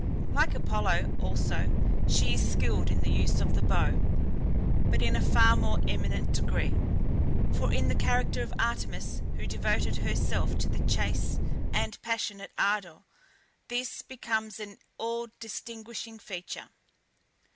Like Apollo also, she is skilled in the use of the bow, but in a far more eminent degree, for in the character of Artemis, who devoted herself to the chase with passionate ardour, this becomes an all distinguishing feature.